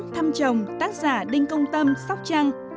thăm chồng tác giả đinh công tâm sóc trăng